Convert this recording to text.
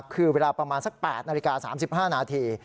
คือเวลาประมาณสัก๘นาฬิกา๓๕นาที